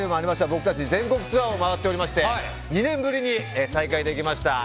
僕たち全国ツアーを回っておりまして２年ぶりに再開できました。